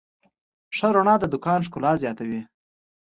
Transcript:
ښه رڼا د دوکان ښکلا زیاتوي.